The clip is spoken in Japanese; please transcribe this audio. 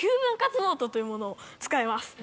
というものを使います。